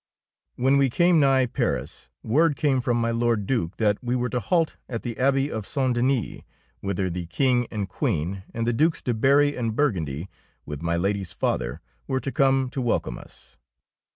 Ill When we came nigh Paris, word came from my Lord Due that we were to halt at the Abbey of St. Denis, whither the King and Queen and the Dues de Berry and Burgundy, with my Lady^s father, were to come to welcome us.